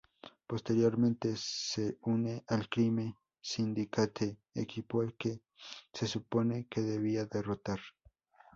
Posteriormente se une al Crime Syndicate, equipo al que se supone que debía derrotar.